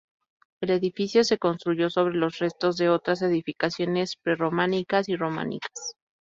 El edificio se construyó sobre los restos de otras edificaciones pre-románicas y románicas.